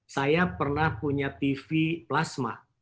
saya pernah punya tv plasma